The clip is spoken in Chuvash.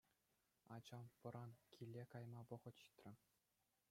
Ачам, вӑран, киле кайма вӑхӑт ҫитрӗ.